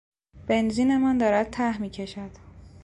بنزینمان دارد ته میکشد.